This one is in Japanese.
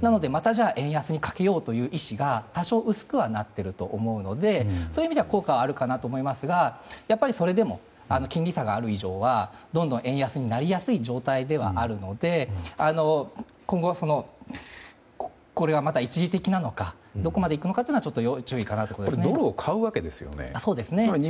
なのでまた円安にかけようという意思が多少薄くなっていると思うのでそういう意味では効果があるかなと思いますがやっぱり、それでも金利差がある以上はどんどん円安になりやすい状態なので今後は、これがまた一時的なのかどこまでいくのかは要注意かなと思いますね。